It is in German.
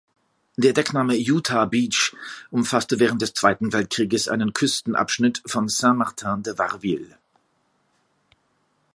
Der Deckname Utah Beach umfasste während des Zweiten Weltkrieges einen Küstenabschnitt von Saint-Martin-de-Varreville.